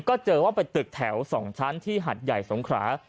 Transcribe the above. ก็เจอว่าเป็นตึกแถว๒ชั้นที่หัดใหญ่สงขรา